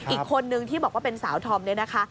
อีกคนนึงที่บอกว่าเป็นสาวธอมเนี่ยนะคะ